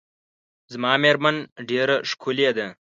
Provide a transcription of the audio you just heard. زما میرمن ډیره ښکلې ده .